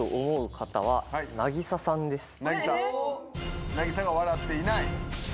なぎさが笑っていない。